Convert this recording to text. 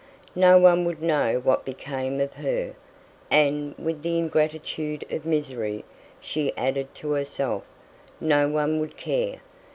No one would know what became of her and, with the ingratitude of misery, she added to herself, no one would care.